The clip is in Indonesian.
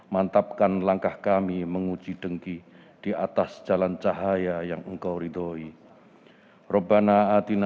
mantapkan langkah kami menguji dengki di atas jalan cahaya yang engkau ridhoi